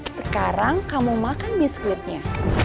sekarang kamu makan biskuitnya